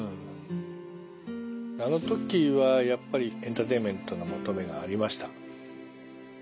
あの時はやっぱりエンターテインメントの求めがありました。